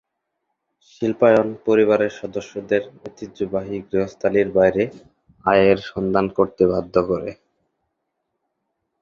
শিল্পায়ন পরিবারের সদস্যদের ঐতিহ্যবাহী গৃহস্থালির বাইরে আয়ের সন্ধান করতে বাধ্য করে।